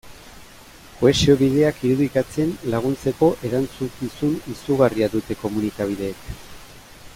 Kohesio bideak irudikatzen laguntzeko erantzukizun izugarria dute komunikabideek.